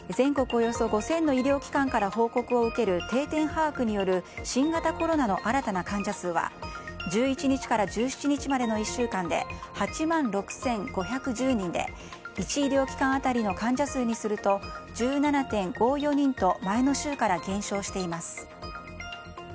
およそ５０００の医療機関から報告を受ける定点把握による新型コロナの新たな患者数は１１日から１７日までの１週間で８万６５１０人で１医療機関当たりの患者数にすると１７．５４人と前の週から減少しています。